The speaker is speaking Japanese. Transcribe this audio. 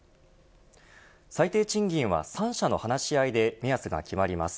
最低賃金は三者の話し合いで目安が決まります。